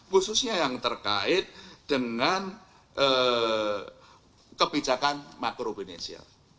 khususnya yang terkait dengan kebijakan makro financial